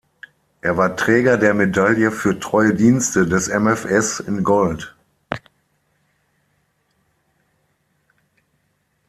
Er war Träger der Medaille für treue Dienste des MfS in Gold.